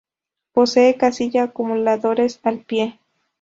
Posee casilla acumuladores al pie.